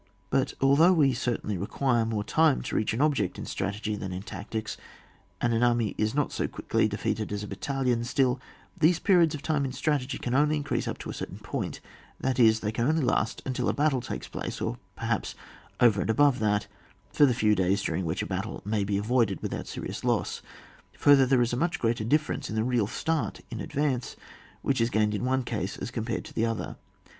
But, although we certainly require more time, to reach an object in strategy, than in tactics, and an army is not so quickly defeated as a battalion, still, these periods of time in strategy can only increase up to a cer tain point ; that is, they can only last until a battle takes place, or, perhaps, over and above that, for the few days during which a battle may be avoided without serious loss. Further, there is a much greater difierence in the real start in advance, which is gained in one case, as compared with the other.